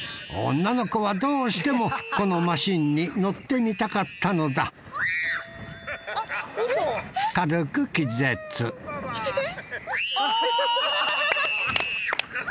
女の子はどうしてもこのマシンに乗ってみたかったのだ軽く気絶アーッ！